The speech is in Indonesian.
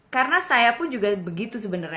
karena saya pun juga begitu sebenernya